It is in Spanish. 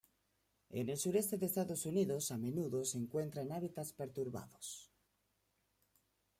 En el sureste de Estados Unidos, a menudo se encuentra en hábitats perturbados.